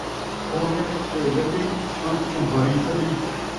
سونے رُپے لݙی ، انت کمبھاری سݙی